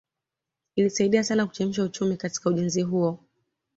Ilisaidia sana kuchemsha uchumi katika ujenzi huo